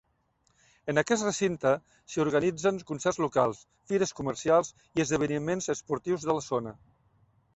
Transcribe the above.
En aquest recinte s'hi organitzen concerts locals, fires comercials i esdeveniments esportius de la zona.